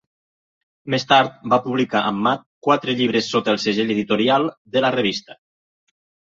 Més tard, va publicar amb Mad quatre llibres sota el segell editorial de la revista.